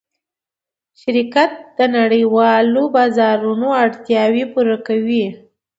شرکت د نړۍوالو بازارونو اړتیاوې پوره کوي.